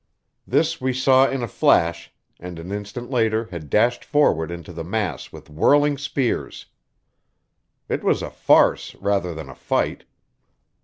This we saw in a flash and an instant later had dashed forward into the mass with whirling spears. It was a farce, rather than a fight.